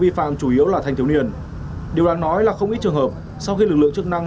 vi phạm chủ yếu là thanh thiếu niên điều đáng nói là không ít trường hợp sau khi lực lượng chức năng